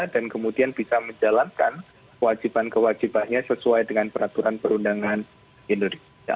dan kemudian bisa menjalankan wajiban kewajibannya sesuai dengan peraturan perundangan indonesia